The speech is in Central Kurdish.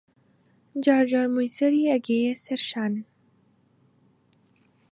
جارجار مووی سەری ئەگەییە سەر شان